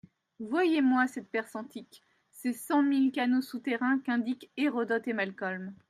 Voyez-moi cette Perse antique, ses cent mille canaux souterrains qu'indiquent Hérodote et Malcolm.